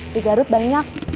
di garut banyak